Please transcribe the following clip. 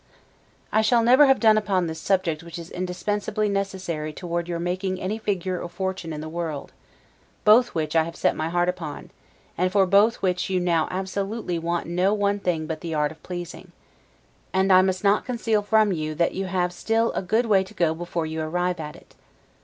I shall never have done upon this subject which is indispensably necessary toward your making any figure or fortune in the world; both which I have set my heart upon, and for both which you now absolutely want no one thing but the art of pleasing; and I must not conceal from you that you have still a good way to go before you arrive at it.